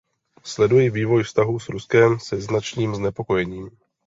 Sleduji vývoj vztahů s Ruskem se značným znepokojením.